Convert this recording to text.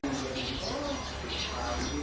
อัตตีภัย